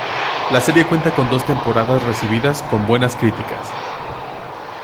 La serie cuenta con dos temporadas recibidas con buenas críticas.